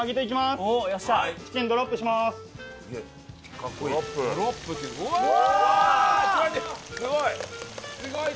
すごい！